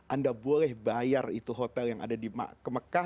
anda boleh bayar itu hotel yang ada di mekah